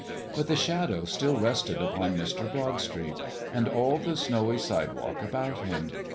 But the Shadow still rested upon Mr. Broadstreet and all the snowy sidewalk about him.